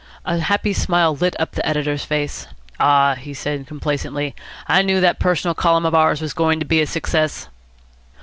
A happy smile lit up the editor's face. "Ah," he said complacently, "I knew that Personal column of ours was going to be a success!"